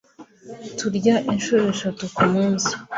turya inshuro eshatu ku munsi